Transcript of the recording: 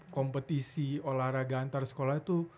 kompetisi olahraga antar sekolah itu